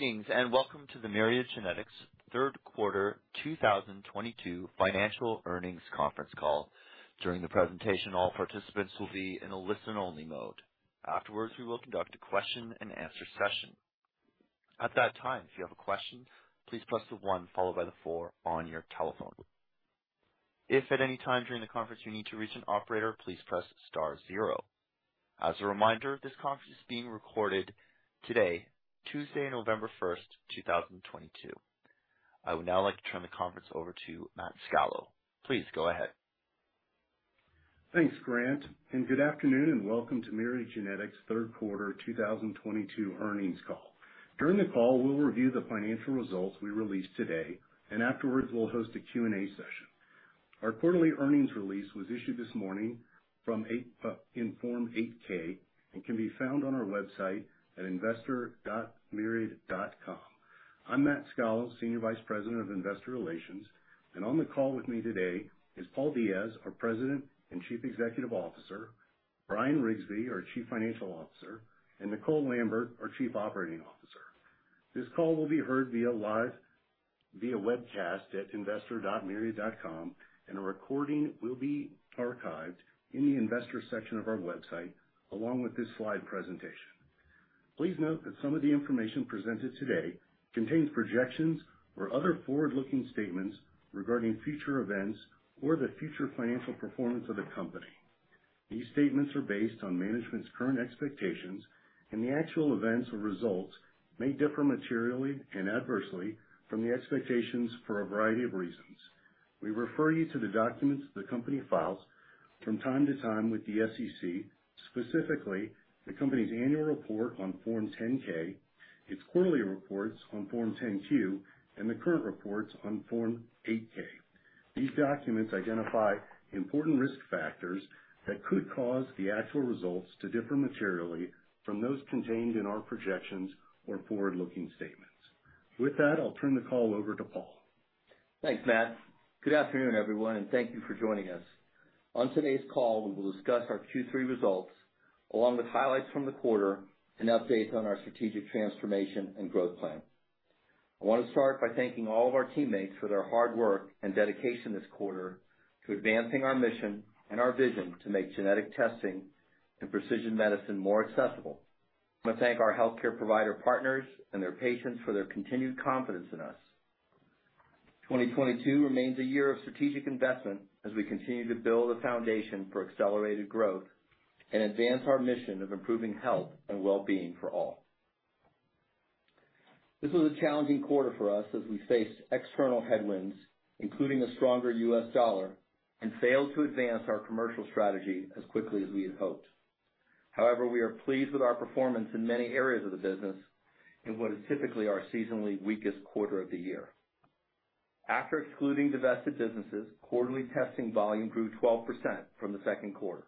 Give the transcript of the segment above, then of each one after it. Welcome to the Myriad Genetics third quarter 2022 financial earnings conference call. During the presentation, all participants will be in a listen-only mode. Afterwards, we will conduct a question and answer session. At that time, if you have a question, please press the one followed by the four on your telephone. If at any time during the conference you need to reach an operator, please press star zero. As a reminder, this conference is being recorded today, Tuesday, November 1st, 2022. I would now like to turn the conference over to Matt Scalo. Please go ahead. Thanks, Grant, and good afternoon and welcome to Myriad Genetics third quarter 2022 earnings call. During the call, we'll review the financial results we released today, and afterwards, we'll host a Q&A session. Our quarterly earnings release was issued this morning in Form 8-K and can be found on our website at investor.myriad.com. I'm Matt Scalo, Senior Vice President of Investor Relations, and on the call with me today is Paul Diaz, our President and Chief Executive Officer, R. Bryan Riggsbee, our Chief Financial Officer, and Nicole Lambert, our Chief Operating Officer. This call will be heard live via webcast at investor.myriad.com, and a recording will be archived in the investor section of our website along with this slide presentation. Please note that some of the information presented today contains projections or other forward-looking statements regarding future events or the future financial performance of the company. These statements are based on management's current expectations, and the actual events or results may differ materially and adversely from the expectations for a variety of reasons. We refer you to the documents the company files from time to time with the SEC, specifically the company's annual report on Form 10-K, its quarterly reports on Form 10-Q, and the current reports on Form 8-K. These documents identify important risk factors that could cause the actual results to differ materially from those contained in our projections or forward-looking statements. With that, I'll turn the call over to Paul. Thanks, Matt. Good afternoon, everyone, and thank you for joining us. On today's call, we will discuss our Q3 results along with highlights from the quarter and updates on our strategic transformation and growth plan. I want to start by thanking all of our teammates for their hard work and dedication this quarter to advancing our mission and our vision to make genetic testing and precision medicine more accessible. I want to thank our healthcare provider partners and their patients for their continued confidence in us. 2022 remains a year of strategic investment as we continue to build a foundation for accelerated growth and advance our mission of improving health and well-being for all. This was a challenging quarter for us as we faced external headwinds, including a stronger U.S. dollar, and failed to advance our commercial strategy as quickly as we had hoped. However, we are pleased with our performance in many areas of the business in what is typically our seasonally weakest quarter of the year. After excluding divested businesses, quarterly testing volume grew 12% from the second quarter.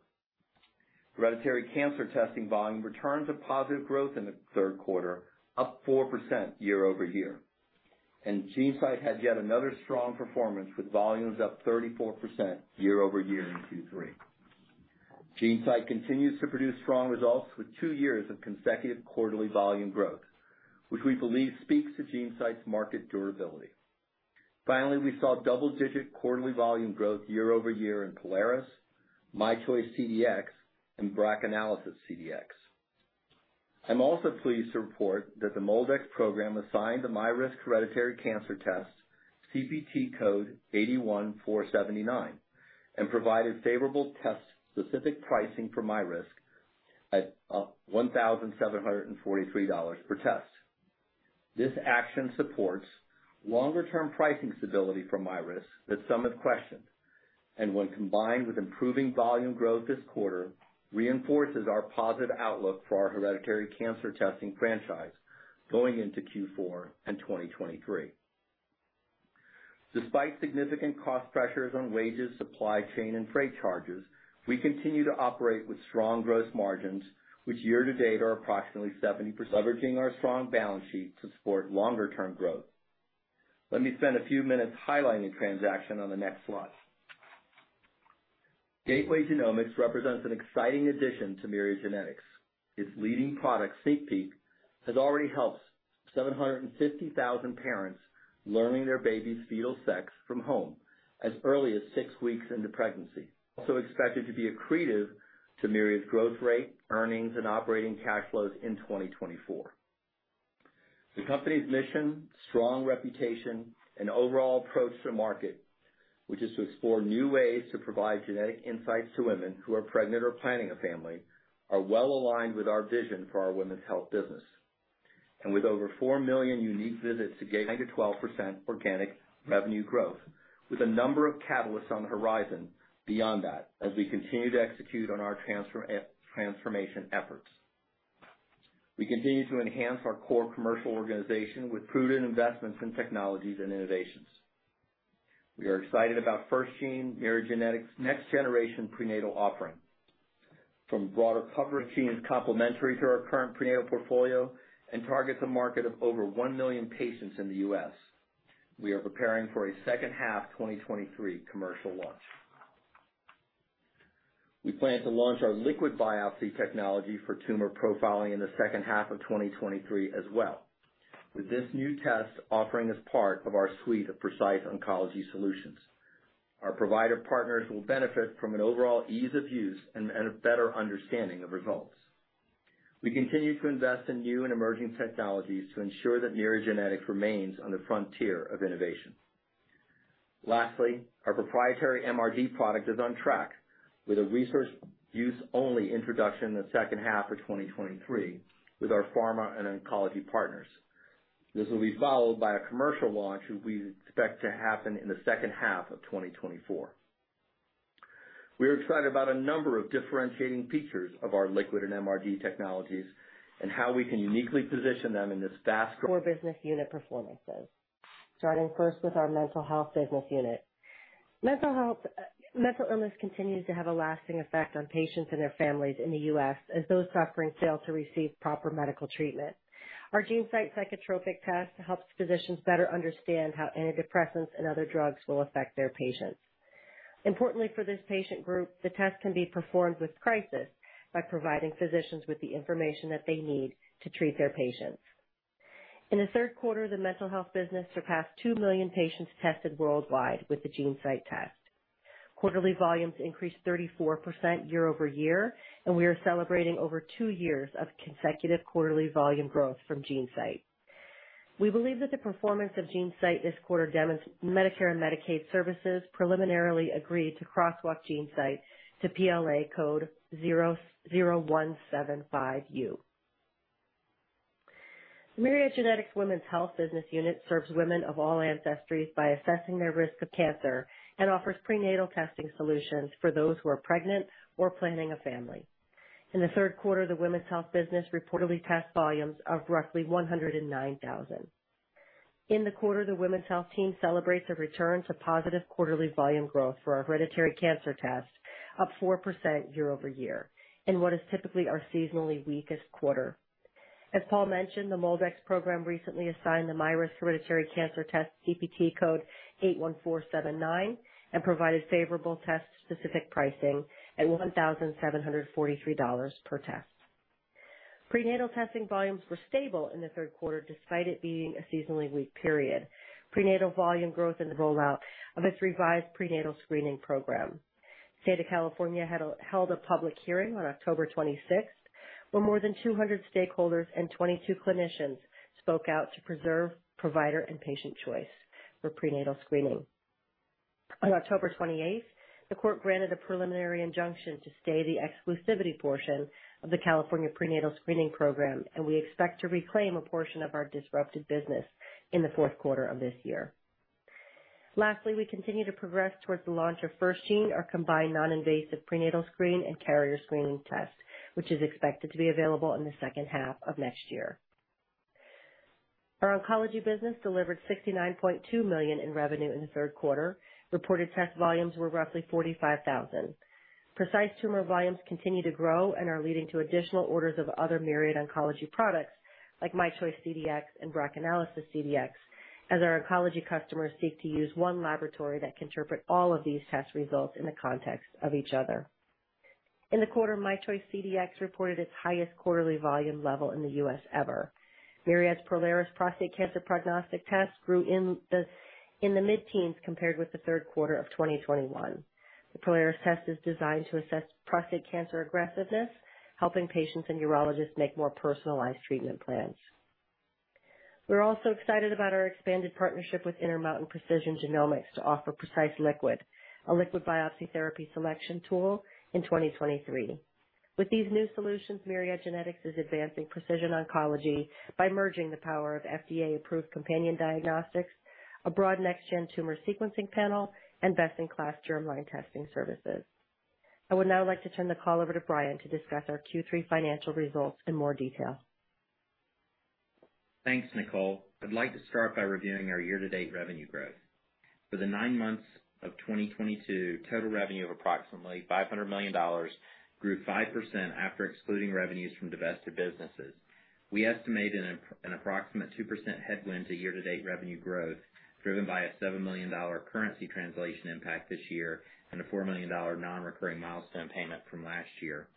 Hereditary cancer testing volume returned to positive growth in the third quarter, up 4% year-over-year, and GeneSight had yet another strong performance, with volumes up 34% year-over-year in Q3. GeneSight continues to produce strong results with two years of consecutive quarterly volume growth, which we believe speaks to GeneSight's market durability. Finally, we saw double-digit quarterly volume growth year-over-year in Prolaris, myChoice CDx and BRACAnalysis CDx. I'm also pleased to report that the MolDX program assigned the myRisk hereditary cancer test CPT code 81479, and provided favorable test-specific pricing for myRisk at $1,743 per test. This action supports long-term pricing stability for myRisk that some have questioned, and when combined with improving volume growth this quarter, reinforces our positive outlook for our hereditary cancer testing franchise going into Q4 and 2023. Despite significant cost pressures on wages, supply chain and freight charges, we continue to operate with strong gross margins, which year-to-date are approximately 70%, leveraging our strong balance sheet to support long-term growth. Let me spend a few minutes highlighting the transaction on the next slide. Gateway Genomics represents an exciting addition to Myriad Genetics. Its leading product, SneakPeek, has already helped 750,000 parents learn their baby's fetal sex from home as early as 6 weeks into pregnancy. Also expected to be accretive to Myriad's growth rate, earnings and operating cash flows in 2024. The company's mission, strong reputation and overall approach to market, which is to explore new ways to provide genetic insights to women who are pregnant or planning a family, are well aligned with our vision for our women's health business. With over 4 million unique visits to Gateway Genomics. 9%-12% organic revenue growth with a number of catalysts on the horizon beyond that as we continue to execute on our transformation efforts. We continue to enhance our core commercial organization with prudent investments in technologies and innovations. We are excited about FirstGene, Myriad Genetics' next generation prenatal offering. From broader coverage genes complementary to our current prenatal portfolio and targets a market of over 1 million patients in the U.S. We are preparing for a second half 2023 commercial launch. We plan to launch our liquid biopsy technology for tumor profiling in the second half of 2023 as well. With this new test offering as part of our suite of precise oncology solutions, our provider partners will benefit from an overall ease of use and a better understanding of results. We continue to invest in new and emerging technologies to ensure that Myriad Genetics remains on the frontier of innovation. Lastly, our proprietary MRD product is on track with a research use only introduction in the second half of 2023 with our pharma and oncology partners. This will be followed by a commercial launch we expect to happen in the second half of 2024. We are excited about a number of differentiating features of our liquid and MRD technologies and how we can uniquely position them in this fast-growing. Core business unit performances. Starting first with our mental health business unit. Mental health, mental illness continues to have a lasting effect on patients and their families in the U.S. as those suffering fail to receive proper medical treatment. Our GeneSight psychotropic test helps physicians better understand how antidepressants and other drugs will affect their patients. Importantly for this patient group, the test can be performed in a crisis by providing physicians with the information that they need to treat their patients. In the third quarter, the mental health business surpassed 2 million patients tested worldwide with the GeneSight test. Quarterly volumes increased 34% year-over-year, and we are celebrating over two years of consecutive quarterly volume growth from GeneSight. We believe that the performance of GeneSight this quarter. Medicare and Medicaid services preliminarily agreed to crosswalk GeneSight to PLA code 0175U. Myriad Genetics' women's health business unit serves women of all ancestries by assessing their risk of cancer and offers prenatal testing solutions for those who are pregnant or planning a family. In the third quarter, the women's health business reported test volumes of roughly 109,000. In the quarter, the women's health team celebrated a return to positive quarterly volume growth for our hereditary cancer test, up 4% year-over-year, in what is typically our seasonally weakest quarter. As Paul mentioned, the MolDX program recently assigned the myRisk hereditary cancer test CPT code 81479, and provided favorable test-specific pricing at $1,743 per test. Prenatal testing volumes were stable in the third quarter, despite it being a seasonally weak period. Prenatal volume growth in the rollout of its revised prenatal screening program. State of California held a public hearing on October twenty-sixth, where more than 200 stakeholders and 22 clinicians spoke out to preserve provider and patient choice for prenatal screening. On October twenty-eighth, the court granted a preliminary injunction to stay the exclusivity portion of the California prenatal screening program, and we expect to reclaim a portion of our disrupted business in the fourth quarter of this year. Lastly, we continue to progress towards the launch of FirstGene, our combined noninvasive prenatal screen and carrier screening test, which is expected to be available in the second half of next year. Our oncology business delivered $69.2 million in revenue in the third quarter. Reported test volumes were roughly 45,000. Precise Tumor volumes continue to grow and are leading to additional orders of other Myriad oncology products, like myChoice CDx and BRACAnalysis CDx, as our oncology customers seek to use one laboratory that can interpret all of these test results in the context of each other. In the quarter, myChoice CDx reported its highest quarterly volume level in the U.S. ever. Myriad's Prolaris prostate cancer prognostic test grew in the mid-teens compared with the third quarter of 2021. The Prolaris test is designed to assess prostate cancer aggressiveness, helping patients and urologists make more personalized treatment plans. We're also excited about our expanded partnership with Intermountain Precision Genomics to offer Precise Liquid, a liquid biopsy therapy selection tool, in 2023. With these new solutions, Myriad Genetics is advancing precision oncology by merging the power of FDA-approved companion diagnostics, a broad next gen tumor sequencing panel, and best-in-class germline testing services. I would now like to turn the call over to Brian to discuss our Q3 financial results in more detail. Thanks, Nicole. I'd like to start by reviewing our year-to-date revenue growth. For the nine months of 2022, total revenue of approximately $500 million grew 5% after excluding revenues from divested businesses. We estimated an approximate 2% headwind to year-to-date revenue growth, driven by a $7 million currency translation impact this year and a $4 million non-recurring milestone payment from last year.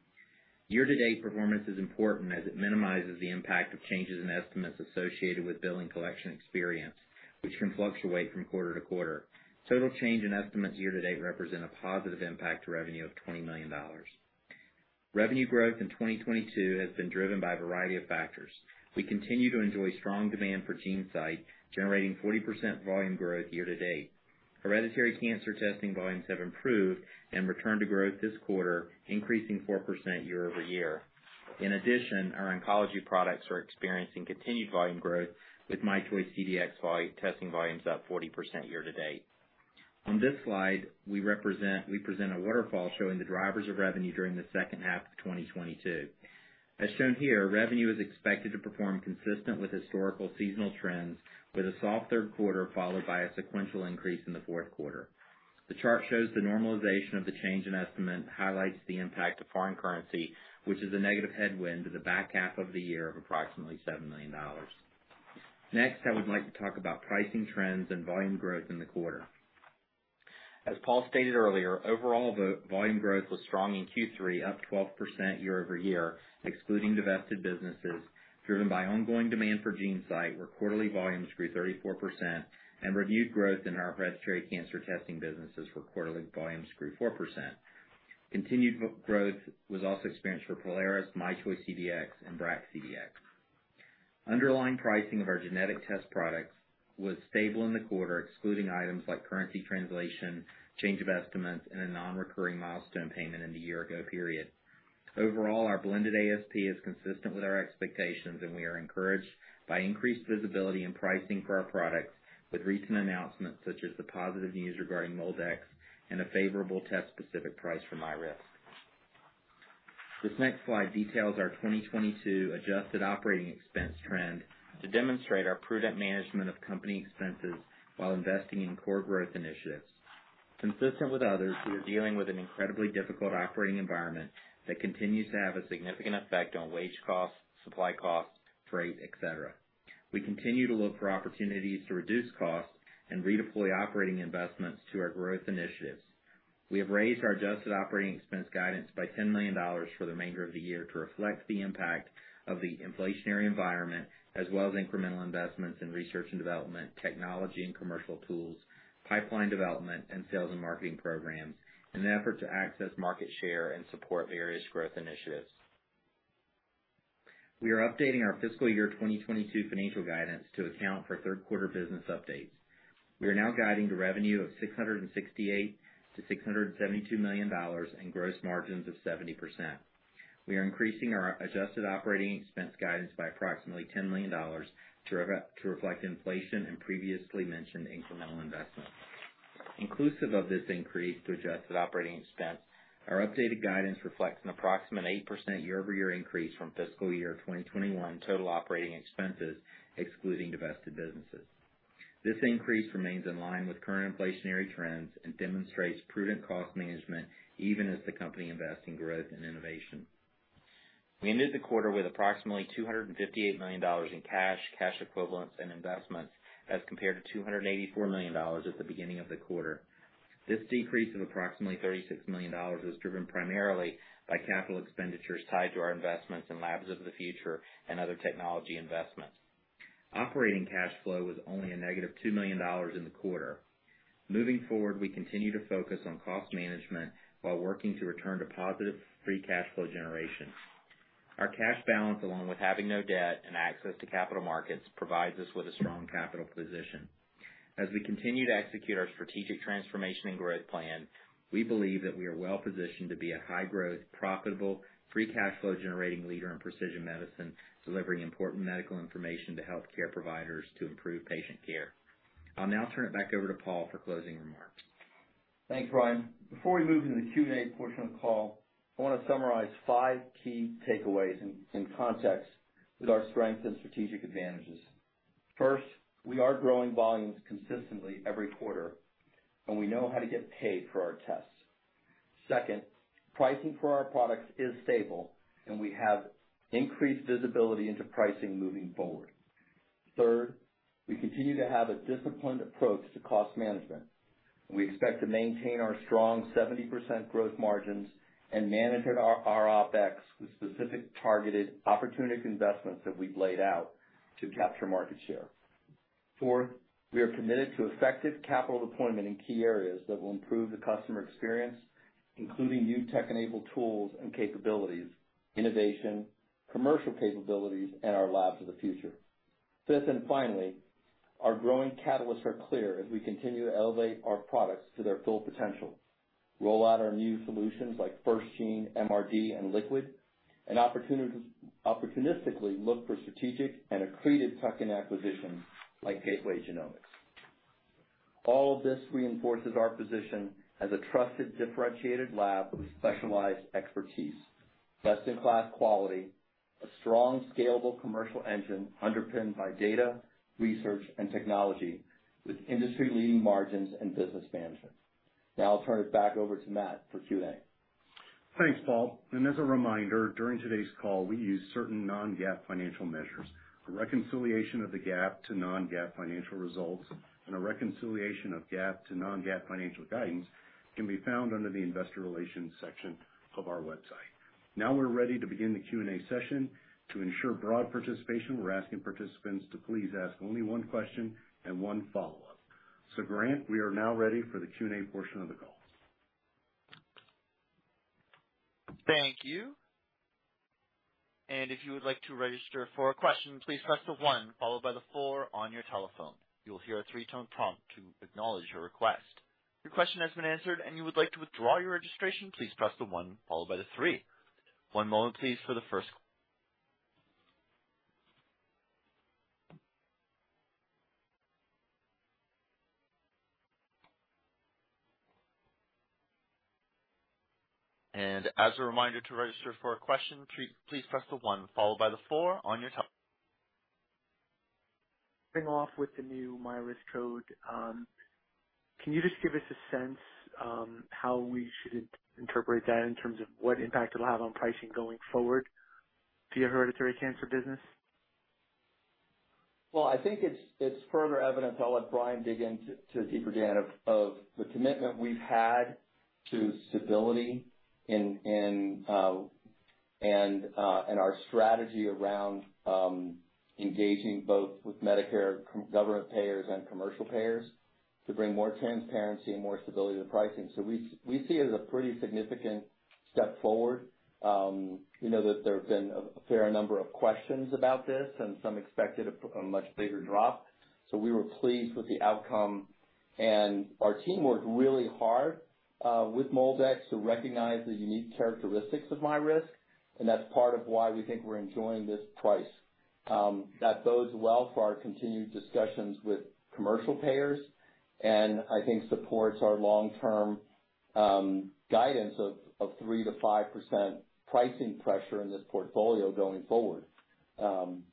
Year-to-date performance is important as it minimizes the impact of changes in estimates associated with billing collection experience, which can fluctuate from quarter to quarter. Total change in estimates year to date represent a positive impact to revenue of $20 million. Revenue growth in 2022 has been driven by a variety of factors. We continue to enjoy strong demand for GeneSight, generating 40% volume growth year to date. Hereditary cancer testing volumes have improved and returned to growth this quarter, increasing 4% year-over-year. In addition, our oncology products are experiencing continued volume growth with myChoice CDx testing volumes up 40% year to date. On this slide, we present a waterfall showing the drivers of revenue during the second half of 2022. As shown here, revenue is expected to perform consistent with historical seasonal trends, with a soft third quarter, followed by a sequential increase in the fourth quarter. The chart shows the normalization of the change in estimate, highlights the impact of foreign currency, which is a negative headwind to the back half of the year of approximately $7 million. Next, I would like to talk about pricing trends and volume growth in the quarter. As Paul stated earlier, overall volume growth was strong in Q3, up 12% year-over-year, excluding divested businesses, driven by ongoing demand for GeneSight, where quarterly volumes grew 34% and renewed growth in our hereditary cancer testing businesses, where quarterly volumes grew 4%. Continued growth was also experienced for Prolaris, myChoice CDx and BRACAnalysis CDx. Underlying pricing of our genetic test products was stable in the quarter, excluding items like currency translation, change of estimates and a non-recurring milestone payment in the year ago period. Overall, our blended ASP is consistent with our expectations, and we are encouraged by increased visibility in pricing for our products with recent announcements such as the positive news regarding MolDX and a favorable test specific price for myRisk. This next slide details our 2022 adjusted operating expense trend to demonstrate our prudent management of company expenses while investing in core growth initiatives. Consistent with others, we are dealing with an incredibly difficult operating environment that continues to have a significant effect on wage costs, supply costs, freight, et cetera. We continue to look for opportunities to reduce costs and redeploy operating investments to our growth initiatives. We have raised our adjusted operating expense guidance by $10 million for the remainder of the year to reflect the impact of the inflationary environment as well as incremental investments in research and development, technology and commercial tools, pipeline development and sales and marketing programs in an effort to access market share and support various growth initiatives. We are updating our fiscal year 2022 financial guidance to account for third quarter business updates. We are now guiding to revenue of $668 million-$672 million and gross margins of 70%. We are increasing our adjusted operating expense guidance by approximately $10 million to reflect inflation and previously mentioned incremental investments. Inclusive of this increase to adjusted operating expense, our updated guidance reflects an approximate 8% year-over-year increase from fiscal year 2021 total operating expenses, excluding divested businesses. This increase remains in line with current inflationary trends and demonstrates prudent cost management even as the company invests in growth and innovation. We ended the quarter with approximately $258 million in cash equivalents and investments as compared to $284 million at the beginning of the quarter. This decrease of approximately $36 million was driven primarily by capital expenditures tied to our investments in Labs of the Future and other technology investments. Operating cash flow was only -$2 million in the quarter. Moving forward, we continue to focus on cost management while working to return to positive free cash flow generation. Our cash balance, along with having no debt and access to capital markets, provides us with a strong capital position. As we continue to execute our strategic transformation and growth plan, we believe that we are well positioned to be a high growth, profitable, free cash flow generating leader in precision medicine, delivering important medical information to healthcare providers to improve patient care. I'll now turn it back over to Paul for closing remarks. Thanks, Bryan. Before we move into the Q&A portion of the call, I want to summarize five key takeaways in context with our strength and strategic advantages. First, we are growing volumes consistently every quarter, and we know how to get paid for our tests. Second, pricing for our products is stable, and we have increased visibility into pricing moving forward. Third, we continue to have a disciplined approach to cost management. We expect to maintain our strong 70% gross margins and manage our OpEx with specific targeted opportunistic investments that we've laid out to capture market share. Fourth, we are committed to effective capital deployment in key areas that will improve the customer experience, including new tech-enabled tools and capabilities, innovation, commercial capabilities and our Labs of the Future. Fifth, and finally, our growing catalysts are clear as we continue to elevate our products to their full potential, roll out our new solutions like FirstGene, MRD and Liquid, and opportunistically look for strategic and accretive tuck-in acquisitions like Gateway Genomics. All of this reinforces our position as a trusted, differentiated lab with specialized expertise, best-in-class quality, a strong scalable commercial engine underpinned by data, research and technology with industry-leading margins and business management. Now I'll turn it back over to Matt for Q&A. Thanks, Paul. As a reminder, during today's call, we use certain non-GAAP financial measures. A reconciliation of the GAAP to non-GAAP financial results and a reconciliation of GAAP to non-GAAP financial guidance can be found under the Investor Relations section of our website. Now we're ready to begin the Q&A session. To ensure broad participation, we're asking participants to please ask only one question and one follow-up. Grant, we are now ready for the Q&A portion of the call. Thank you. If you would like to register for a question, please press one followed by four on your telephone. You'll hear a three-tone prompt to acknowledge your request. If your question has been answered, and you would like to withdraw your registration, please press one followed by three. One moment please for the first. As a reminder to register for a question, please press one followed by four on your tele- Kicking off with the new myRisk code, can you just give us a sense how we should interpret that in terms of what impact it'll have on pricing going forward to your hereditary cancer business? I think it's further evidence. I'll let Bryan dig in deeper, Dan, of the commitment we've had to stability in and our strategy around engaging both with Medicare, government payers and commercial payers to bring more transparency and more stability to pricing. We see it as a pretty significant step forward. We know that there have been a fair number of questions about this and some expected a much bigger drop. We were pleased with the outcome, and our team worked really hard with MolDX to recognize the unique characteristics of myRisk, and that's part of why we think we're enjoying this price. That bodes well for our continued discussions with commercial payers and I think supports our long-term guidance of 3%-5% pricing pressure in this portfolio going forward. That's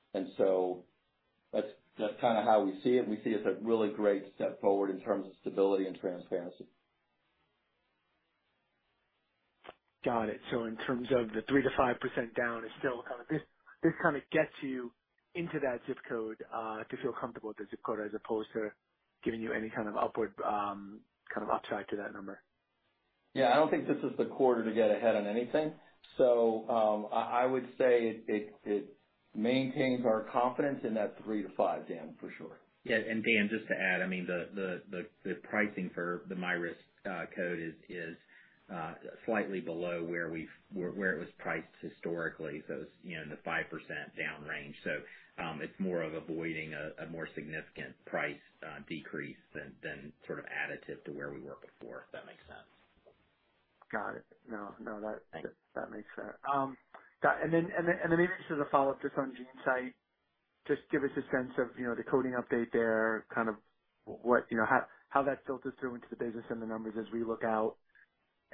kinda how we see it. We see it as a really great step forward in terms of stability and transparency. Got it. In terms of the 3%-5% down is still kind of. This kinda gets you into that ZIP Code to feel comfortable with the ZIP Code as opposed to giving you any kind of upward kind of upside to that number. Yeah, I don't think this is the quarter to get ahead on anything. I would say it maintains our confidence in that 3%-5%, Dan, for sure. Yeah. Dan, just to add, I mean, the pricing for the myRisk code is slightly below where it was priced historically. It's, you know, in the 5% down range. It's more of avoiding a more significant price decrease than sort of additive to where we were before, if that makes sense. Got it. No, no. Thanks. That makes sense. Got it. Maybe just as a follow-up just on GeneSight, just give us a sense of, you know, the coding update there, kind of what, you know, how that filters through into the business and the numbers as we look out.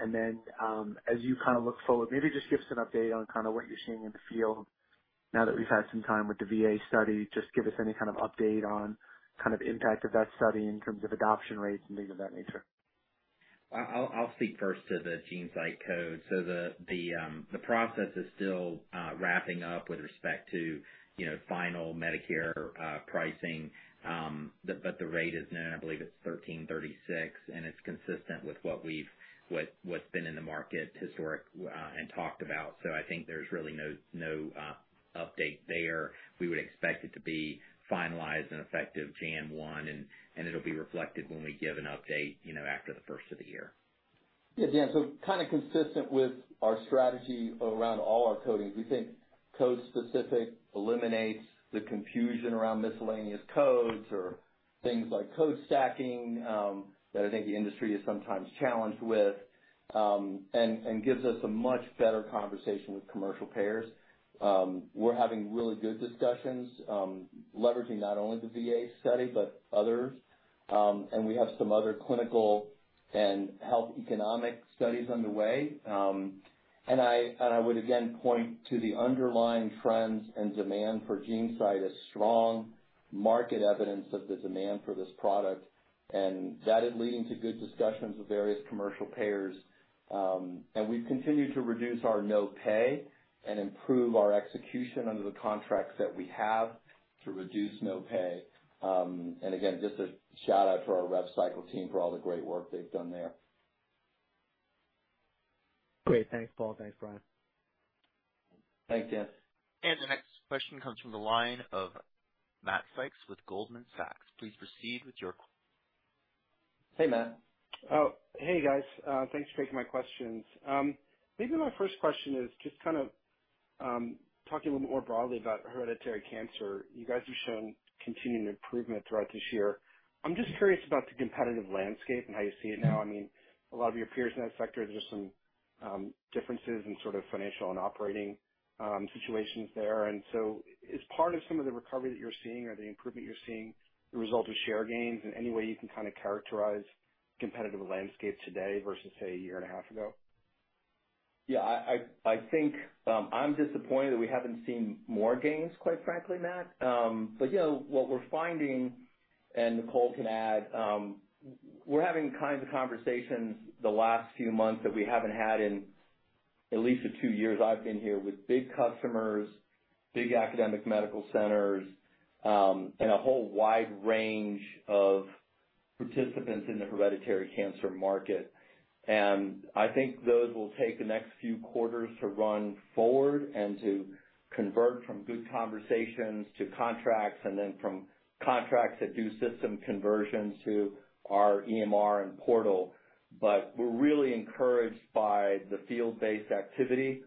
As you kind of look forward, maybe just give us an update on kinda what you're seeing in the field now that we've had some time with the VA study. Just give us any kind of update on kind of impact of that study in terms of adoption rates and things of that nature. I'll speak first to the GeneSight code. The process is still wrapping up with respect to, you know, final Medicare pricing. But the rate is known. I believe it's $1,336, and it's consistent with what's been in the market historically and talked about. I think there's really no update there. We would expect it to be finalized and effective January 1, and it'll be reflected when we give an update, you know, after the first of the year. Yeah, Dan, kinda consistent with our strategy around all our codings. We think code-specific eliminates the confusion around miscellaneous codes or things like code stacking, that I think the industry is sometimes challenged with, and gives us a much better conversation with commercial payers. We're having really good discussions, leveraging not only the VA study but others. We have some other clinical and health economic studies underway. I would again point to the underlying trends and demand for GeneSight as strong market evidence of the demand for this product, and that is leading to good discussions with various commercial payers. We've continued to reduce our no pay and improve our execution under the contracts that we have to reduce no pay. Just a shout-out for our rev cycle team for all the great work they've done there. Great. Thanks, Paul. Thanks, Bryan. Thanks, Dan. The next question comes from the line of Matt Sykes with Goldman Sachs. Please proceed with your q- Hey, Matt. Oh, hey, guys. Thanks for taking my questions. Maybe my first question is just kind of talking a little bit more broadly about hereditary cancer. You guys have shown continuing improvement throughout this year. I'm just curious about the competitive landscape and how you see it now. I mean, a lot of your peers in that sector, there's some differences in sort of financial and operating situations there. Is part of some of the recovery that you're seeing or the improvement you're seeing, the result of share gains, and any way you can kind of characterize competitive landscape today versus, say, a year and a half ago? I think I'm disappointed that we haven't seen more gains, quite frankly, Matt. You know, what we're finding, and Nicole can add, we're having kinds of conversations the last few months that we haven't had in at least the two years I've been here with big customers, big academic medical centers, and a whole wide range of participants in the hereditary cancer market. I think those will take the next few quarters to run forward and to convert from good conversations to contracts, and then from contracts that do system conversion to our EMR and portal. We're really encouraged by the field-based activity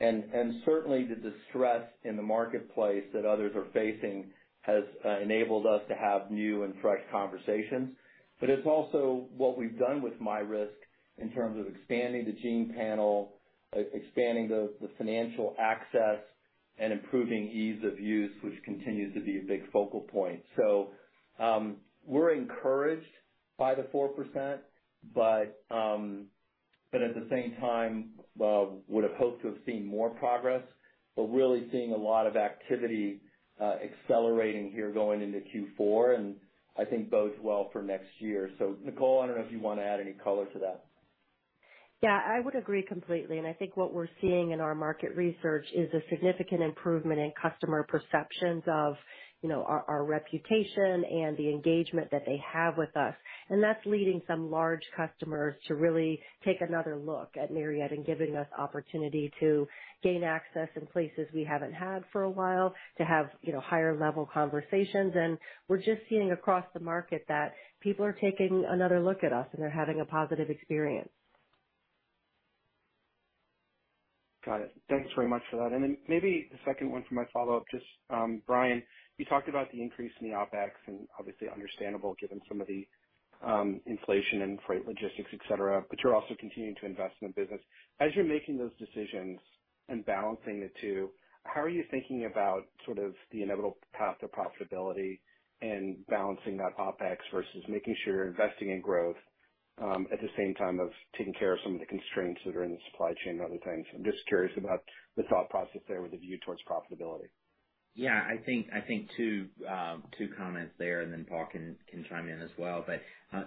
and certainly the distress in the marketplace that others are facing has enabled us to have new and fresh conversations. It's also what we've done with myRisk in terms of expanding the gene panel, expanding the financial access and improving ease of use, which continues to be a big focal point. We're encouraged by the 4%, but at the same time, would have hoped to have seen more progress. Really seeing a lot of activity, accelerating here going into Q4, and I think bodes well for next year. Nicole, I don't know if you wanna add any color to that. Yeah, I would agree completely, and I think what we're seeing in our market research is a significant improvement in customer perceptions of, you know, our reputation and the engagement that they have with us. That's leading some large customers to really take another look at Myriad and giving us opportunity to gain access in places we haven't had for a while, to have, you know, higher level conversations. We're just seeing across the market that people are taking another look at us, and they're having a positive experience. Got it. Thanks very much for that. Maybe the second one for my follow-up, just, Bryan, you talked about the increase in the OpEx and obviously understandable given some of the, inflation and freight logistics, et cetera, but you're also continuing to invest in the business. As you're making those decisions and balancing the two, how are you thinking about sort of the inevitable path to profitability and balancing that OpEx versus making sure you're investing in growth, at the same time of taking care of some of the constraints that are in the supply chain and other things? I'm just curious about the thought process there with a view towards profitability. Yeah, I think two comments there, and then Paul can chime in as well.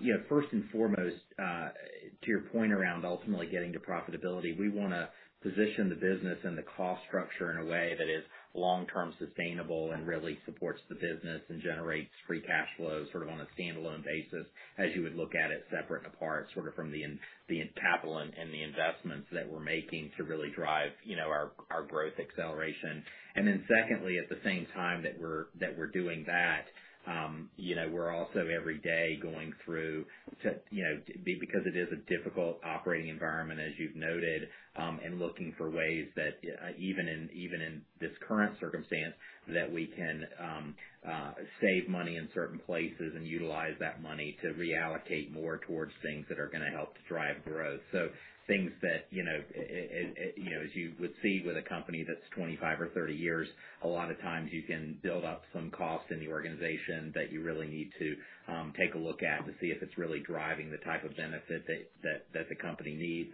You know, first and foremost, to your point around ultimately getting to profitability, we wanna position the business and the cost structure in a way that is long-term sustainable and really supports the business and generates free cash flows sort of on a standalone basis, as you would look at it separate and apart, sort of from the inter-entanglement and the investments that we're making to really drive, you know, our growth acceleration. Then secondly, at the same time that we're doing that, you know, we're also every day going through to, you know, because it is a difficult operating environment, as you've noted, and looking for ways that, even in this current circumstance, that we can save money in certain places and utilize that money to reallocate more towards things that are gonna help to drive growth. Things that, you know, as you would see with a company that's 25 or 30 years, a lot of times you can build up some cost in the organization that you really need to take a look at to see if it's really driving the type of benefit that the company needs.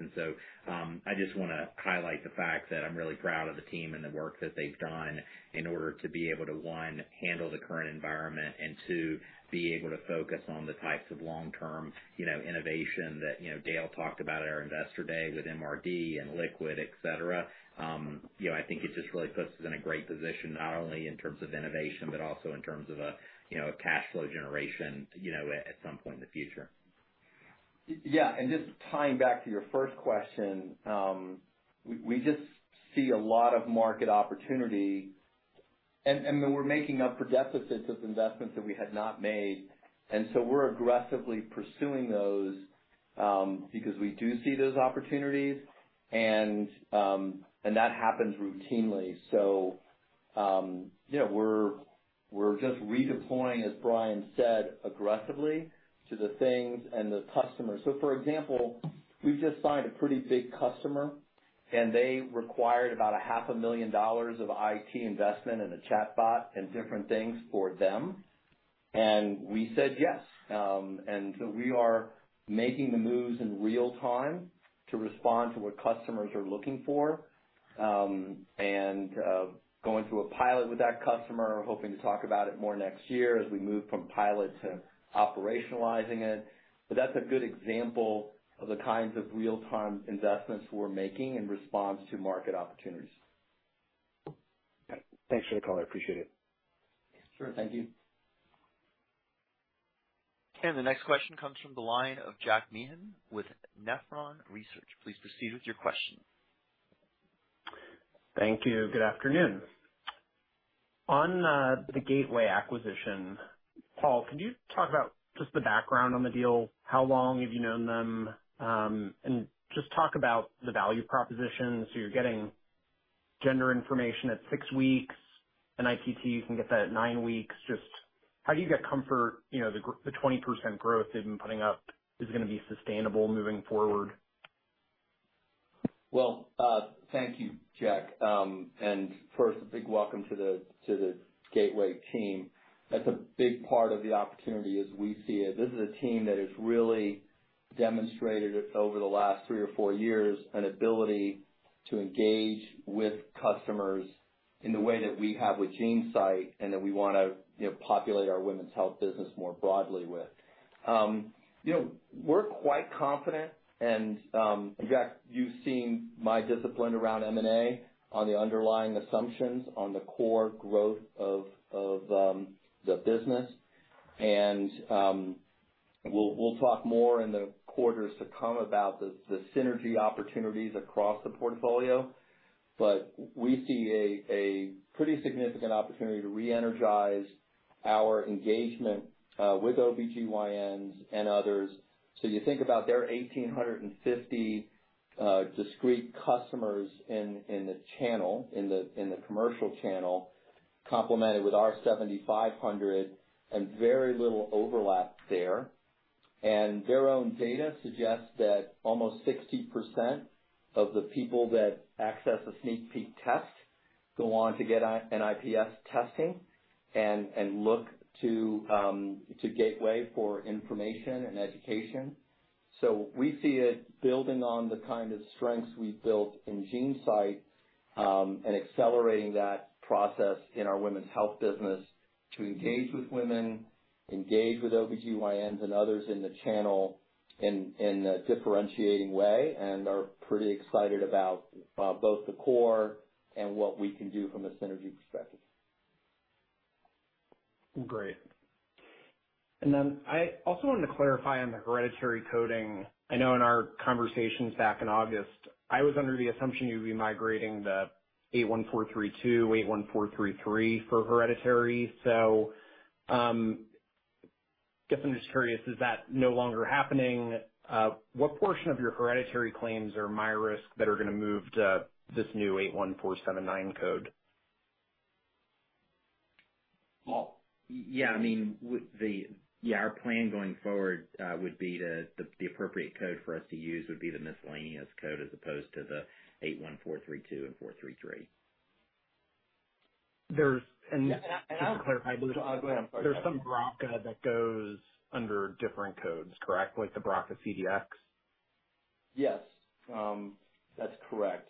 I just wanna highlight the fact that I'm really proud of the team and the work that they've done in order to be able to, one, handle the current environment and, two, be able to focus on the types of long-term, you know, innovation that, you know, Dale talked about at our Investor Day with MRD and liquid, et cetera. You know, I think it just really puts us in a great position, not only in terms of innovation, but also in terms of a, you know, a cash flow generation, you know, at some point in the future. Yeah, just tying back to your first question, we just see a lot of market opportunity and then we're making up for deficits of investments that we had not made, and so we're aggressively pursuing those, because we do see those opportunities and that happens routinely. You know, we're just redeploying, as R. Bryan Riggsbee said, aggressively to the things and the customers. For example, we just signed a pretty big customer, and they required about half a million dollars of IT investment in a chatbot and different things for them. We said yes. We are making the moves in real time to respond to what customers are looking for, and going through a pilot with that customer, hoping to talk about it more next year as we move from pilot to operationalizing it. That's a good example of the kinds of real-time investments we're making in response to market opportunities. Okay. Thanks for the color. I appreciate it. Sure. Thank you. The next question comes from the line of Jack Meehan with Nephron Research. Please proceed with your question. Thank you. Good afternoon. On the Gateway acquisition, Paul, can you talk about just the background on the deal? How long have you known them? And just talk about the value proposition. You're getting gender information at 6 weeks. In NIPT, you can get that at nine weeks. Just how do you get comfort, you know, the 20% growth they've been putting up is gonna be sustainable moving forward? Well, thank you, Jack. First, a big welcome to the Gateway team. That's a big part of the opportunity as we see it. This is a team that has really demonstrated over the last three or four years an ability to engage with customers in the way that we have with GeneSight, and that we wanna, you know, populate our women's health business more broadly with. You know, we're quite confident, and Jack, you've seen my discipline around M&A on the underlying assumptions on the core growth of the business. We'll talk more in the quarters to come about the synergy opportunities across the portfolio. We see a pretty significant opportunity to re-energize our engagement with OB-GYNs and others. You think about their 1,850 discrete customers in the commercial channel, complemented with our 7,500 and very little overlap there. Their own data suggests that almost 60% of the people that access a SneakPeek test go on to get an NIPS testing and look to Gateway for information and education. We see it building on the kind of strengths we've built in GeneSight and accelerating that process in our women's health business to engage with women, engage with OB-GYNs and others in the channel in a differentiating way, and are pretty excited about both the core and what we can do from a synergy perspective. Great. I also wanted to clarify on the hereditary coding. I know in our conversations back in August, I was under the assumption you'd be migrating the 81432, 81433 for hereditary. Guess I'm just curious, is that no longer happening? What portion of your hereditary claims are myRisk that are gonna move to this new 81479 code? Well, yeah. I mean, yeah, our plan going forward would be the appropriate code for us to use would be the miscellaneous code as opposed to the 81432 and 81433. There's, and- Yeah, I- Just to clarify. Oh, go ahead. I'm sorry There's some BRCA that goes under different codes, correct? Like the BRCA CDx. Yes. That's correct.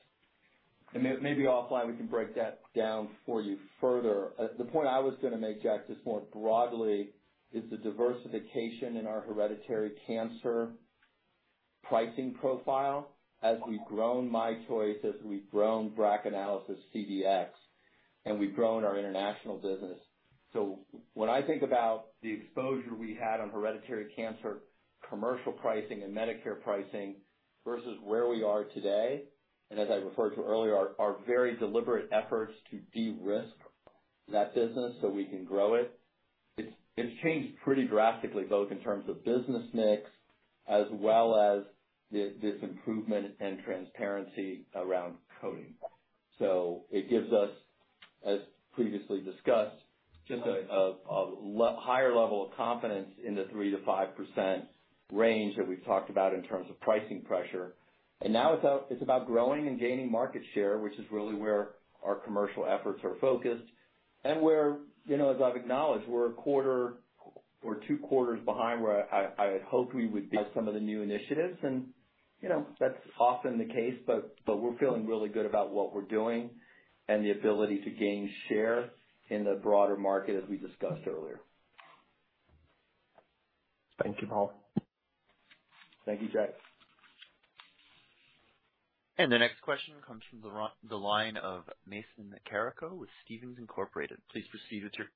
Maybe offline, we can break that down for you further. The point I was gonna make, Jack, just more broadly is the diversification in our hereditary cancer pricing profile as we've grown myChoice, as we've grown BRACAnalysis CDx, and we've grown our international business. When I think about the exposure we had on hereditary cancer, commercial pricing and Medicare pricing, versus where we are today, and as I referred to earlier, our very deliberate efforts to de-risk that business so we can grow it's changed pretty drastically, both in terms of business mix as well as this improvement in transparency around coding. It gives us, as previously discussed, just a higher level of confidence in the 3%-5% range that we've talked about in terms of pricing pressure. Now it's out, it's about growing and gaining market share, which is really where our commercial efforts are focused. We're, you know, as I've acknowledged, we're a quarter or two quarters behind where I had hoped we would be on some of the new initiatives and, you know, that's often the case, but we're feeling really good about what we're doing and the ability to gain share in the broader market as we discussed earlier. Thank you, Paul. Thank you, Jack. The next question comes from the line of Mason Carrico with Stephens Incorporated. Please proceed with your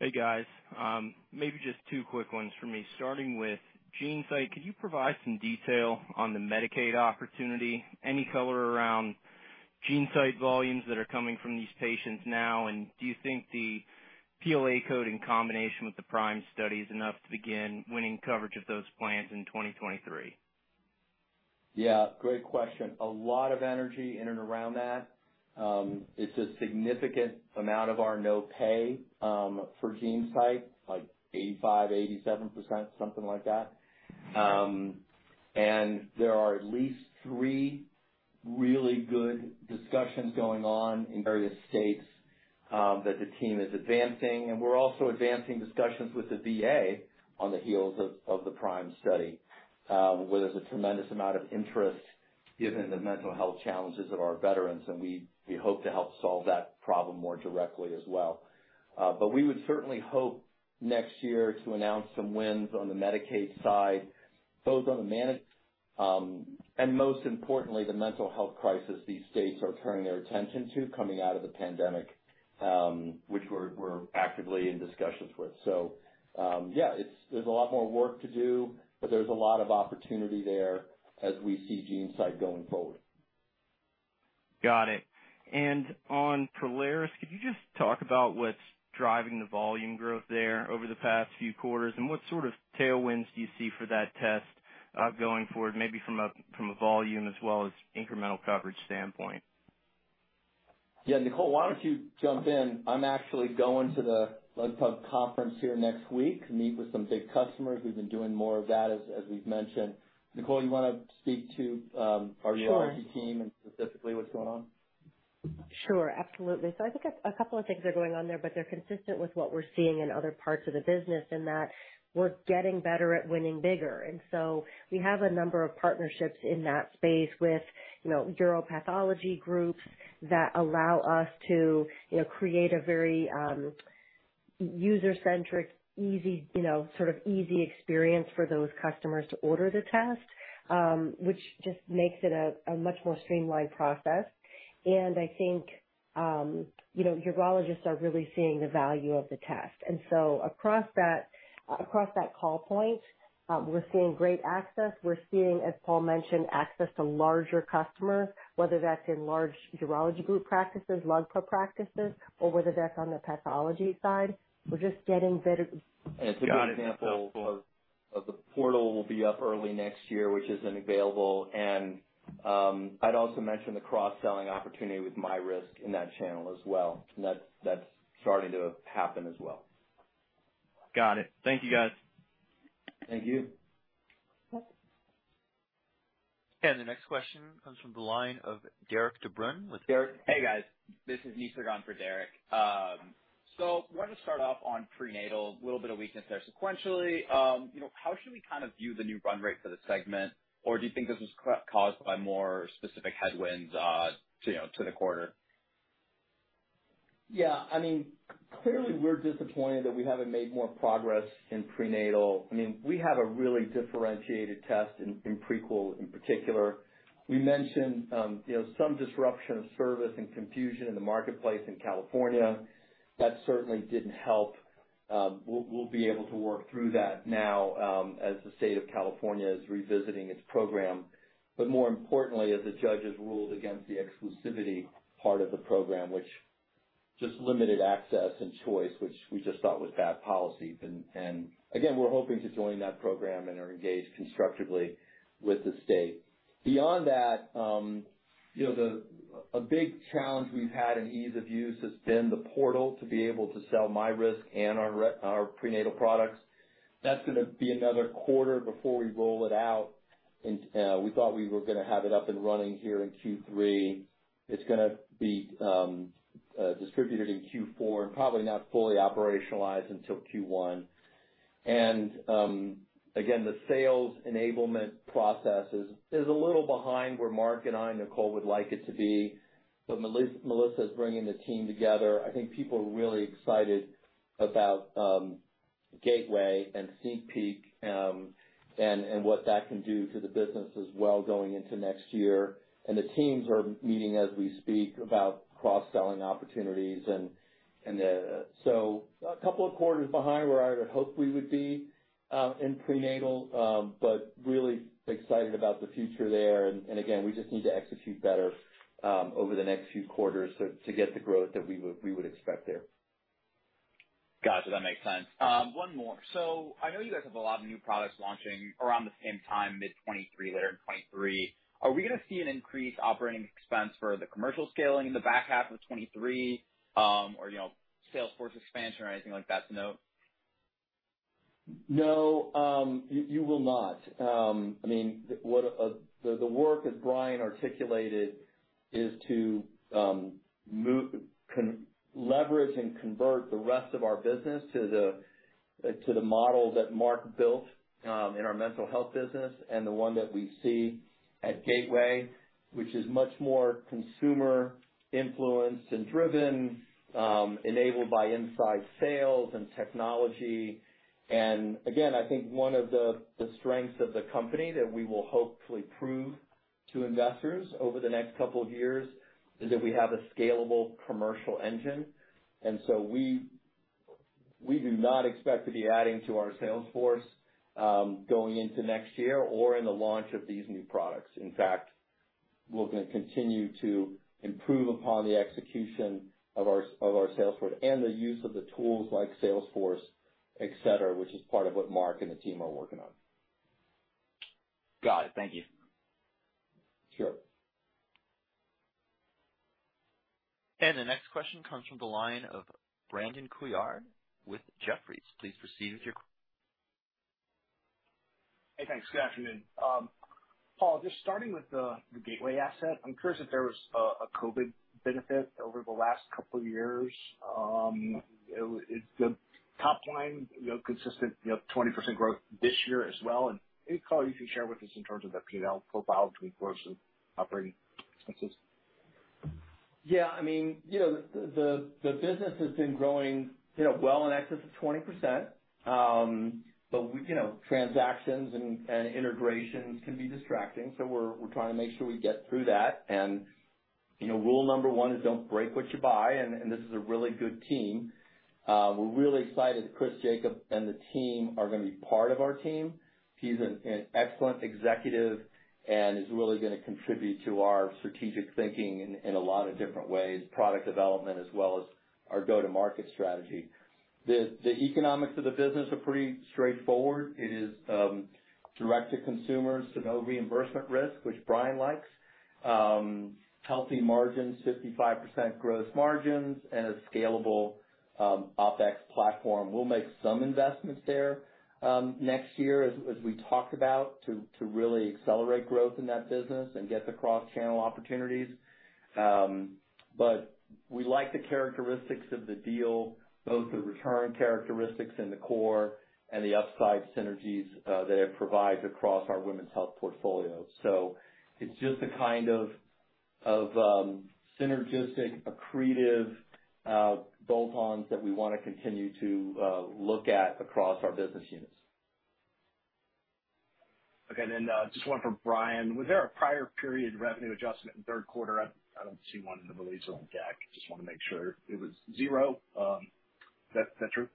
Hey, guys. Maybe just two quick ones for me, starting with GeneSight. Could you provide some detail on the Medicaid opportunity? Any color around GeneSight volumes that are coming from these patients now? Do you think the PLA code in combination with the PRIME study is enough to begin winning coverage of those plans in 2023? Yeah, great question. A lot of energy in and around that. It's a significant amount of our no pay for GeneSight, like 85%-87%, something like that. There are at least three really good discussions going on in various states that the team is advancing. We're also advancing discussions with the VA on the heels of the PRIME study, where there's a tremendous amount of interest given the mental health challenges of our veterans. We hope to help solve that problem more directly as well. We would certainly hope next year to announce some wins on the Medicaid side, both on the and most importantly, the mental health crisis these states are turning their attention to coming out of the pandemic, which we're actively in discussions with. Yeah, it's, there's a lot more work to do, but there's a lot of opportunity there as we see GeneSight going forward. Got it. On Prolaris, could you just talk about what's driving the volume growth there over the past few quarters, and what sort of tailwinds do you see for that test, going forward, maybe from a volume as well as incremental coverage standpoint? Yeah, Nicole, why don't you jump in? I'm actually going to the LUGPA conference here next week to meet with some big customers. We've been doing more of that as we've mentioned. Nicole, you wanna speak to, Sure Our urology team and specifically what's going on? Sure. Absolutely. I think a couple of things are going on there, but they're consistent with what we're seeing in other parts of the business in that we're getting better at winning bigger. We have a number of partnerships in that space with, you know, uropathology groups that allow us to, you know, create a very user-centric, easy, you know, sort of easy experience for those customers to order the test, which just makes it a much more streamlined process. I think, you know, urologists are really seeing the value of the test. Across that call point, we're seeing great access. We're seeing, as Paul mentioned, access to larger customers, whether that's in large urology group practices, LUGPA practices, or with the deck on the pathology side. We're just getting better. It's a good example of. Got it. That's helpful. Of the portal will be up early next year, which isn't available. I'd also mention the cross-selling opportunity with myRisk in that channel as well. That's starting to happen as well. Got it. Thank you, guys. Thank you. The next question comes from the line of Derik de Bruin with- Hey, guys. This is Nisarg on for Derik de Bruin. Wanted to start off on prenatal. A little bit of weakness there sequentially. You know, how should we kind of view the new run rate for the segment? Or do you think this was caused by more specific headwinds to you know to the quarter? Yeah, I mean, clearly we're disappointed that we haven't made more progress in prenatal. I mean, we have a really differentiated test in Prequel in particular. We mentioned, you know, some disruption of service and confusion in the marketplace in California. That certainly didn't help. We'll be able to work through that now, as the state of California is revisiting its program, but more importantly, as the judges ruled against the exclusivity part of the program, which just limited access and choice, which we just thought was bad policy. Again, we're hoping to join that program and are engaged constructively with the state. Beyond that, you know, a big challenge we've had in ease of use has been the portal to be able to sell myRisk and our prenatal products. That's gonna be another quarter before we roll it out. We thought we were gonna have it up and running here in Q3. It's gonna be distributed in Q4 and probably not fully operationalized until Q1. Again, the sales enablement process is a little behind where Marc and I and Nicole would like it to be, but Melissa is bringing the team together. I think people are really excited about Gateway and SneakPeek and what that can do to the business as well going into next year. The teams are meeting as we speak about cross-selling opportunities. A couple of quarters behind where I would hoped we would be in prenatal, but really excited about the future there. Again, we just need to execute better over the next few quarters to get the growth that we would expect there. Gotcha. That makes sense. One more. I know you guys have a lot of new products launching around the same time, mid 2023, later in 2023. Are we gonna see an increased operating expense for the commercial scaling in the back half of 2023, or, you know, sales force expansion or anything like that to note? No, you will not. I mean, the work that Brian articulated is to move leverage and convert the rest of our business to the model that Marc built in our mental health business and the one that we see at Gateway, which is much more consumer influenced and driven, enabled by inside sales and technology. Again, I think one of the strengths of the company that we will hopefully prove to investors over the next couple of years is that we have a scalable commercial engine. We do not expect to be adding to our sales force going into next year or in the launch of these new products. In fact, we're gonna continue to improve upon the execution of our sales force and the use of the tools like Salesforce, et cetera, which is part of what Marc and the team are working on. Got it. Thank you. Sure. The next question comes from the line of Brandon Couillard with Jefferies. Please proceed with your question. Hey, thanks. Good afternoon. Paul, just starting with the Gateway Genomics, I'm curious if there was a COVID benefit over the last couple of years. You know, is the top line you know consistent you know 20% growth this year as well? Anything at all you can share with us in terms of the P&L profile between gross and operating expenses. Yeah, I mean, you know, the business has been growing, you know, well in excess of 20%. But we, you know, transactions and integrations can be distracting. We're trying to make sure we get through that. You know, rule number one is don't break what you buy. This is a really good team. We're really excited that Chris Jacob and the team are gonna be part of our team. He's an excellent executive and is really gonna contribute to our strategic thinking in a lot of different ways, product development as well as our go-to-market strategy. The economics of the business are pretty straightforward. It is direct to consumer, so no reimbursement risk, which Brian likes. Healthy margins, 55% gross margins, and a scalable OpEx platform. We'll make some investments there next year as we talked about to really accelerate growth in that business and get the cross-channel opportunities. We like the characteristics of the deal, both the return characteristics in the core and the upside synergies that it provides across our women's health portfolio. It's just the kind of synergistic, accretive bolt-ons that we wanna continue to look at across our business units. Just one for Bryan. Was there a prior period revenue adjustment in third quarter? I don't see one in the release or on the deck. Just wanna make sure it was zero. Is that true?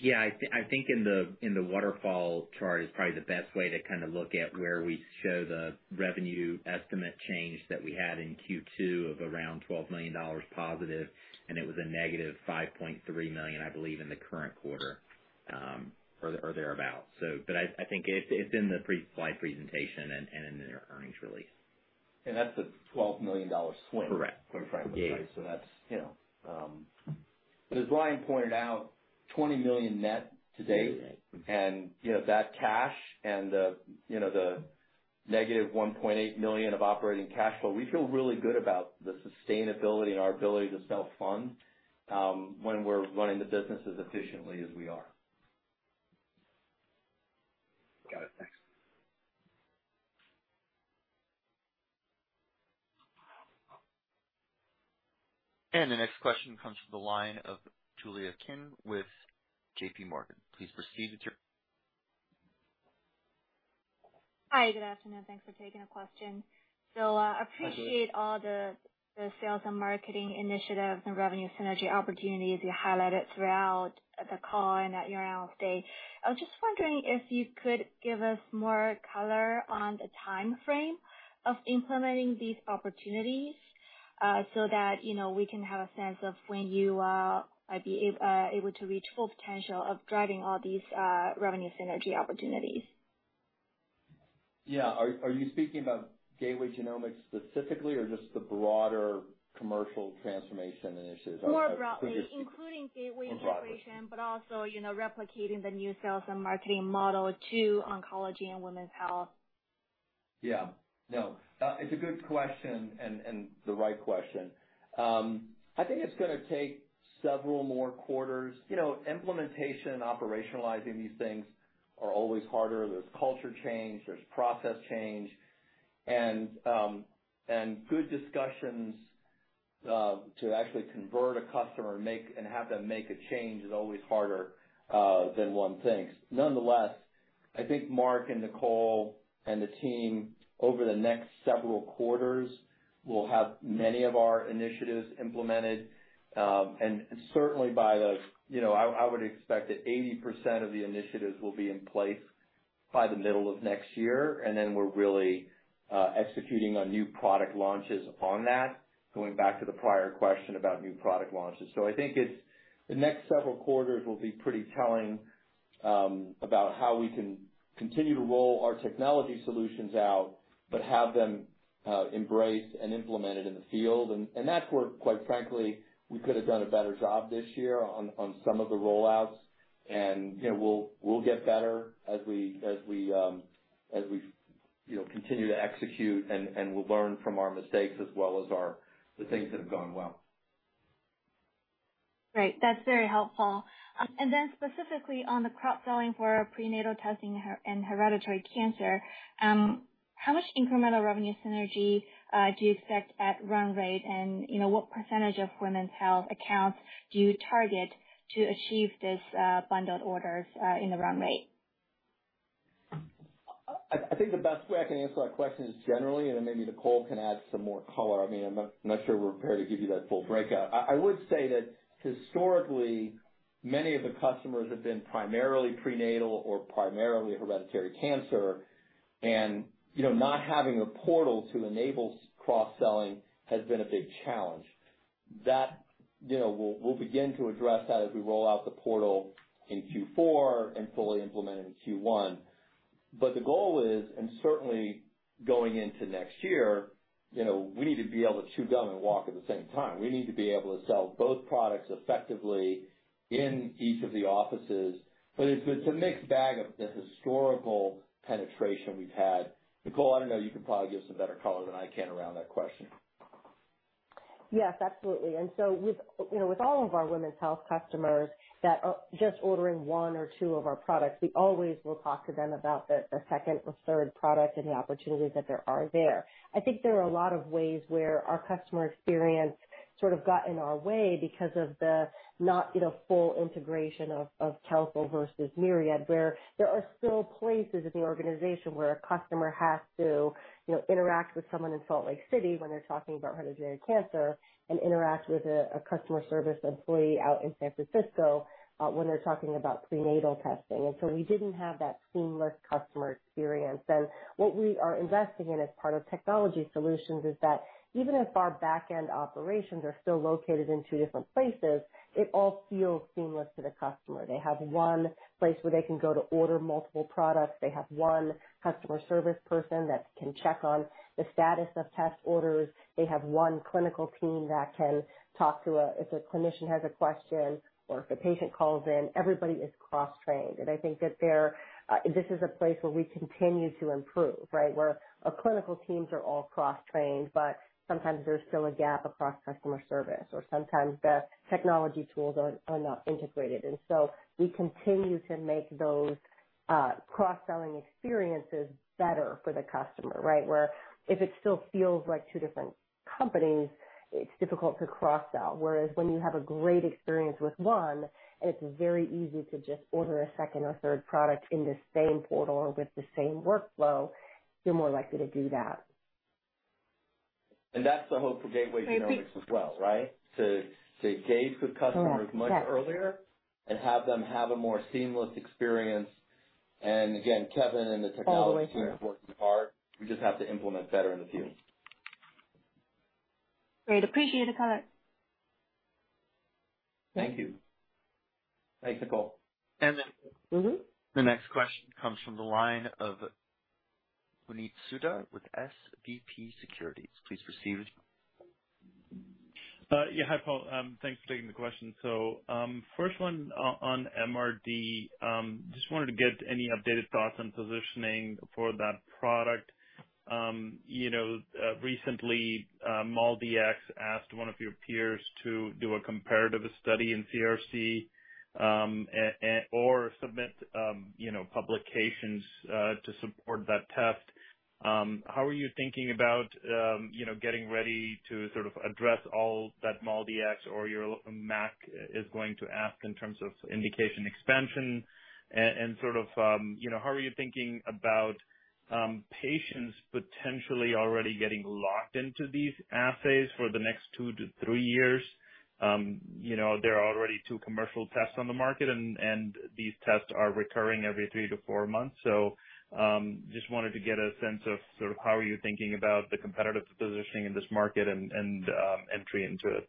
Yeah. I think in the waterfall chart is probably the best way to kind of look at where we show the revenue estimate change that we had in Q2 of around $12 million positive, and it was a negative $5.3 million, I believe, in the current quarter, or thereabout. But I think it's in the pre-slide presentation and in the earnings release. That's a $12 million swing. Correct. Quite frankly. Yeah. That's, you know, as Bryan pointed out, $20 million net to date. You're right. You know, that cash and the, you know, the negative $1.8 million of operating cash flow, we feel really good about the sustainability and our ability to self-fund when we're running the business as efficiently as we are. Got it. Thanks. The next question comes from the line of Julia Kim with JPMorgan. Please proceed with your... Hi, good afternoon. Thanks for taking the question. Appreciate all the sales and marketing initiatives and revenue synergy opportunities you highlighted throughout the call and that you're announcing. I was just wondering if you could give us more color on the timeframe of implementing these opportunities, so that, you know, we can have a sense of when you might be able to reach full potential of driving all these revenue synergy opportunities. Yeah. Are you speaking about Gateway Genomics specifically or just the broader commercial transformation initiatives? More broadly, including Gateway. More broadly. integration, but also, you know, replicating the new sales and marketing model to oncology and women's health. Yeah. No, it's a good question and the right question. I think it's gonna take several more quarters. You know, implementation and operationalizing these things are always harder. There's culture change, there's process change, and good discussions to actually convert a customer and have them make a change is always harder than one thinks. Nonetheless, I think Mark and Nicole and the team over the next several quarters will have many of our initiatives implemented, and certainly by the you know, I would expect that 80% of the initiatives will be in place by the middle of next year, and then we're really executing on new product launches on that, going back to the prior question about new product launches. I think it's the next several quarters will be pretty telling about how we can continue to roll our technology solutions out, but have them embraced and implemented in the field. That's where, quite frankly, we could have done a better job this year on some of the rollouts. You know, we'll get better as we continue to execute, you know, and we'll learn from our mistakes as well as the things that have gone well. Great. That's very helpful. Then specifically on the cross-selling for prenatal testing and hereditary cancer, how much incremental revenue synergy do you expect at run rate? You know, what percentage of women's health accounts do you target to achieve these bundled orders in the run rate? I think the best way I can answer that question is generally, and then maybe Nicole can add some more color. I mean, I'm not sure we're prepared to give you that full breakout. I would say that historically, many of the customers have been primarily prenatal or primarily hereditary cancer. You know, not having a portal to enable cross-selling has been a big challenge. That, you know, we'll begin to address that as we roll out the portal in Q4 and fully implement it in Q1. The goal is, and certainly going into next year, you know, we need to be able to chew gum and walk at the same time. We need to be able to sell both products effectively in each of the offices. It's a mixed bag of the historical penetration we've had. Nicole, I don't know, you can probably give some better color than I can around that question. Yes, absolutely. With, you know, with all of our women's health customers that are just ordering one or two of our products, we always will talk to them about the second or third product and the opportunities that there are there. I think there are a lot of ways where our customer experience sort of got in our way because of the not, you know, full integration of Counsyl versus Myriad, where there are still places in the organization where a customer has to, you know, interact with someone in Salt Lake City when they're talking about hereditary cancer and interact with a customer service employee out in San Francisco when they're talking about prenatal testing. We didn't have that seamless customer experience. What we are investing in as part of technology solutions is that even if our back-end operations are still located in two different places, it all feels seamless to the customer. They have one place where they can go to order multiple products. They have one customer service person that can check on the status of test orders. They have one clinical team that can talk to a clinician if a clinician has a question or if a patient calls in, everybody is cross-trained. I think that this is a place where we continue to improve, right? Where our clinical teams are all cross-trained, but sometimes there's still a gap across customer service, or sometimes the technology tools are not integrated. We continue to make those cross-selling experiences better for the customer, right? Where if it still feels like two different companies, it's difficult to cross-sell. Whereas when you have a great experience with one and it's very easy to just order a second or third product in the same portal or with the same workflow, you're more likely to do that. That's the hope for Gateway Genomics as well, right? To engage with customers much earlier and have them have a more seamless experience. Again, Kevin and the technology team are working hard. We just have to implement better in the field. Great. Appreciate the color. Thank you. Thanks, Nicole. And then- Mm-hmm. The next question comes from the line of Puneet Souda with SVB Securities. Please proceed. Yeah, hi, Paul. Thanks for taking the question. First one on MRD. Just wanted to get any updated thoughts on positioning for that product. You know, recently, MolDX asked one of your peers to do a comparative study in CRC, or submit, you know, publications, to support that test. How are you thinking about, you know, getting ready to sort of address all that MolDX or your MAC is going to ask in terms of indication expansion and, sort of, you know, how are you thinking about, patients potentially already getting locked into these assays for the next two to three years? You know, there are already two commercial tests on the market and these tests are recurring every three to four months. Just wanted to get a sense of sort of how you're thinking about the competitive positioning in this market and entry into it.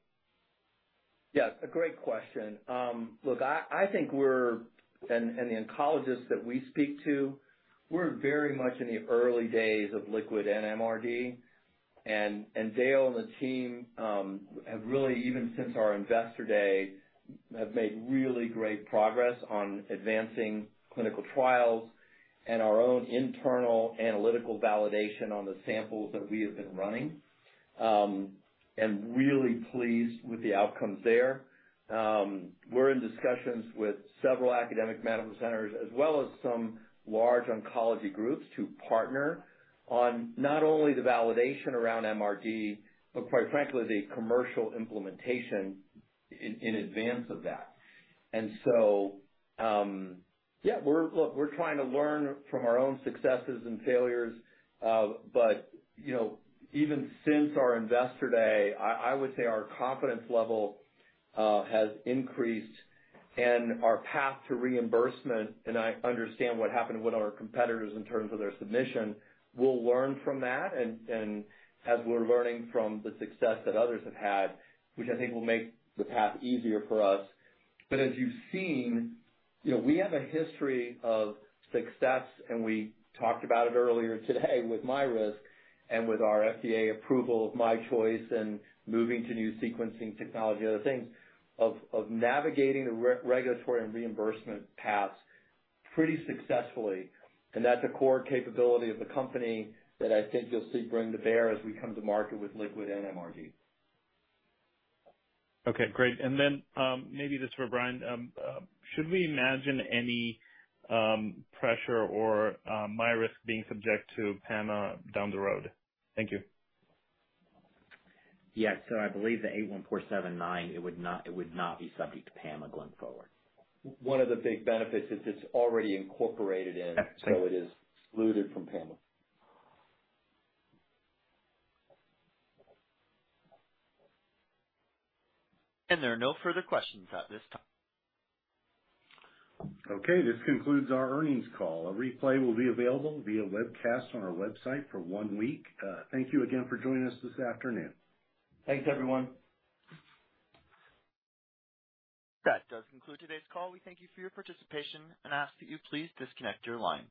Yeah, a great question. I think we're very much in the early days of liquid and MRD, and the oncologists that we speak to. Dale and the team have really made great progress, even since our investor day, on advancing clinical trials and our own internal analytical validation on the samples that we have been running. Really pleased with the outcomes there. We're in discussions with several academic medical centers, as well as some large oncology groups to partner on not only the validation around MRD, but quite frankly, the commercial implementation in advance of that. We're trying to learn from our own successes and failures. You know, even since our investor day, I would say our confidence level has increased and our path to reimbursement, and I understand what happened with our competitors in terms of their submission. We'll learn from that and as we're learning from the success that others have had, which I think will make the path easier for us. As you've seen, you know, we have a history of success, and we talked about it earlier today with myRisk and with our FDA approval of myChoice and moving to new sequencing technology, other things of navigating the regulatory and reimbursement paths pretty successfully. That's a core capability of the company that I think you'll see bring to bear as we come to market with liquid and MRD. Okay, great. Maybe this is for Bryan, should we imagine any pressure or myRisk being subject to PAMA down the road? Thank you. Yeah. I believe the 81479, it would not be subject to PAMA going forward. One of the big benefits is it's already incorporated in. Yeah. It is excluded from PAMA. There are no further questions at this time. Okay. This concludes our earnings call. A replay will be available via webcast on our website for one week. Thank you again for joining us this afternoon. Thanks, everyone. That does conclude today's call. We thank you for your participation and ask that you please disconnect your line.